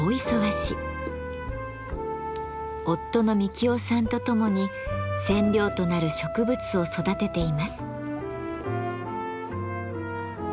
夫の美樹雄さんとともに染料となる植物を育てています。